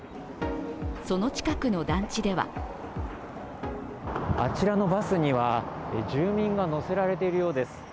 その近くの団地ではあちらのバスには住人が乗せられているようです。